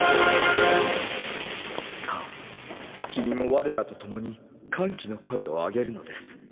さぁ君も我らとともに歓喜の声をあげるのです。